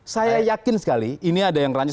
saya yakin sekali ini ada yang rans